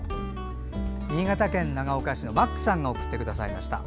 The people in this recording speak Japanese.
新潟県長岡市のマックさんが送ってくださいました。